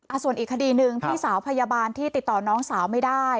ส่วนอีกคดีหนึ่งพี่สาวพยาบาลที่ติดต่อน้องสาวไม่ได้